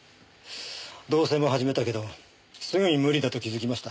同棲も始めたけどすぐに無理だと気づきました。